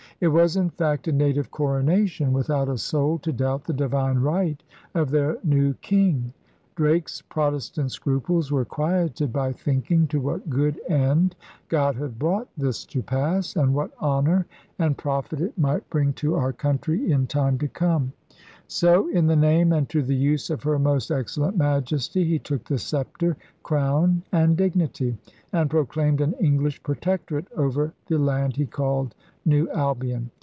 It was, in fact, a native coronation with out a soul to doubt the divine right of their new king. Drake's Protestant scruples were quieted by thinking *to what good end God had brought this to pass, and what honour and profit it might bring to our country in time to come. So, in 140 ELIZABETHAN SEA DOGS the name and to the use of her most excellent Majesty, he took the sceptre, crown, and dignity' and proclaimed an English protectorate over the land he called New Albion.